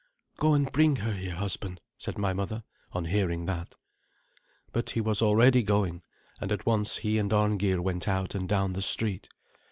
"Go and bring her here, husband," said my mother, on hearing that. But he was already going, and at once he and Arngeir went out and down the street.